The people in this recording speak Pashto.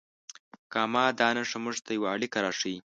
کامه دا نښه موږ ته یوه اړیکه راښیي.